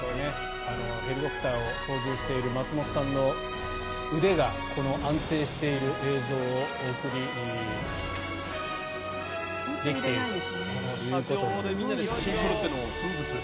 ヘリコプターを操縦している松本さんの腕がこの安定している映像をお送りできているということです。